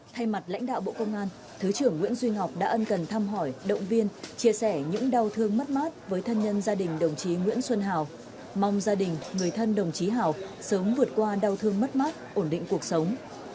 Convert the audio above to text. thay mặt lãnh đạo bộ công an thứ trưởng nguyễn duy ngọc đã ân cần thăm hỏi động viên chia sẻ những đau thương mất mát với thân nhân gia đình đồng chí nguyễn xuân hào mong gia đình người thân đồng chí hào sớm vượt qua đau thương mất mát ổn định cuộc sống